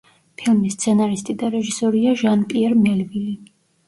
ფილმის სცენარისტი და რეჟისორია ჟან-პიერ მელვილი.